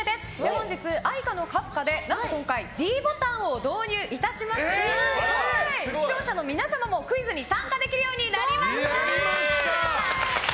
本日、愛花のカフカで何と今回ｄボタンを導入しまして視聴者の皆様もクイズに参加できるようになりました。